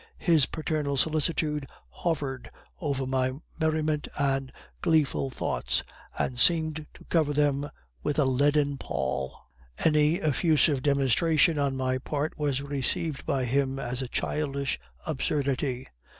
His paternal solicitude hovered over my merriment and gleeful thoughts, and seemed to cover them with a leaden pall. Any effusive demonstration on my part was received by him as a childish absurdity.